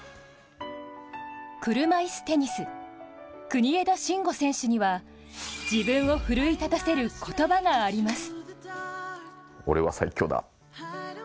車いすテニス、国枝慎吾選手には、自分を奮い立たせる言葉があります。